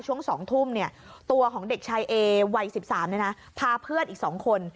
ช่วง๒ทุ่มเนี่ยตัวของเด็กชายเอวัย๑๓เนี่ยนะพาเพื่อนอีก๒คน